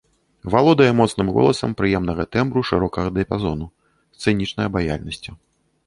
Валодае моцным голасам прыемнага тэмбру, шырокага дыяпазону, сцэнічнай абаяльнасцю.